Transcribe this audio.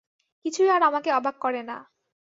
কিছুই আর আমাকে অবাক করে না।